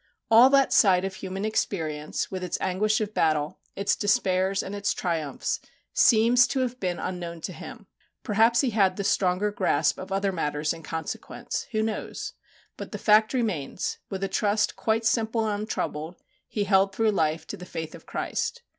All that side of human experience, with its anguish of battle, its despairs, and its triumphs, seems to have been unknown to him. Perhaps he had the stronger grasp of other matters in consequence who knows? But the fact remains. With a trust quite simple and untroubled, he held through life to the faith of Christ.